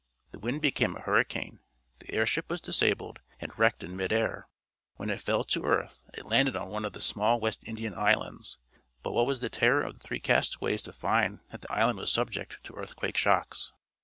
The wind became a hurricane, the airship was disabled, and wrecked in mid air. When it fell to earth it landed on one of the small West Indian islands, but what was the terror of the three castaways to find that the island was subject to earthquake shocks.